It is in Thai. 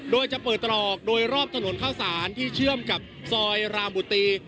โดยจะเปิดตรอกโดยรอบถนนข้าวสารที่เชื่อมกับซอยรามบุตรี